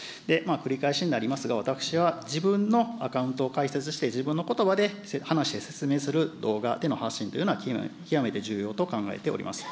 繰り返しになりますが、私は自分のアカウントを開設して、自分のことばで話して説明する動画での発信というのは、極めて重要と考えております。